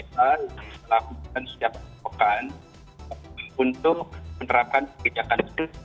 kita lakukan setiap kebukaan untuk menerapkan kebijakan